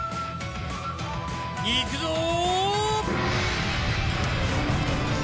いくぞう！